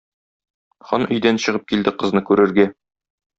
Хан өйдән чыгып килде кызны күрергә.